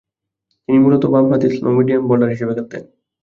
তিনি মূলতঃ বামহাতি স্লো-মিডিয়াম বোলার হিসেবে খেলতেন।